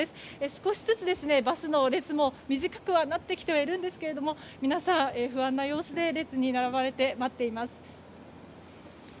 少しずつ、バスの列も短くはなってきているんですが皆さん、不安な様子で列に並ばれて、待っています。